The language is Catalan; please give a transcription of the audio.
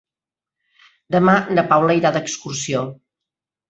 Demà na Paula irà d'excursió.